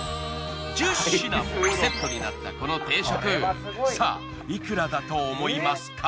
１０品もセットになったこの定食さぁいくらだと思いますか？